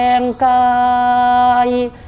แปลมแปลมกาย